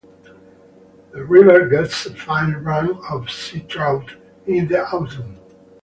The river gets a fine run of seatrout in the autumn.